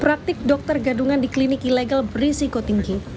praktik dokter gadungan di klinik ilegal berisiko tinggi